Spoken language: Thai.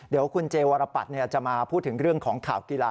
เดี๋ยวคุณเจวรปัตย์จะมาพูดถึงเรื่องของข่าวกีฬา